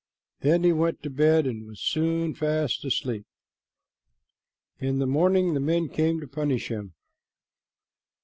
Then he went to bed and was soon fast asleep. In the morning the men came to punish him.